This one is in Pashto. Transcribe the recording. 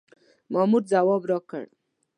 مامور ځواب راکړ.